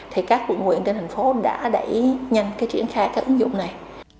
thì các quận nguyện trên thành phố đã đẩy nhanh triển khai ứng dụng này